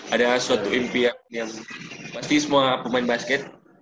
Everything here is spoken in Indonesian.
ada suatu impian yang pasti semua pemain basket